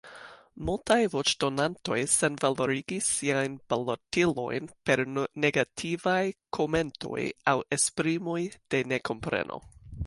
Multaj voĉdonantoj senvalorigis siajn balotilojn per negativaj komentoj aŭ esprimoj de nekompreno.